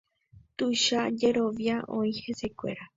Tuicha jerovia oĩ hesekuéra.